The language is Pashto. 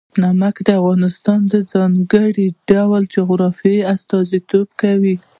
نمک د افغانستان د ځانګړي ډول جغرافیه استازیتوب کوي.